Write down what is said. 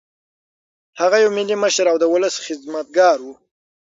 هغه یو ملي مشر او د ولس خدمتګار و.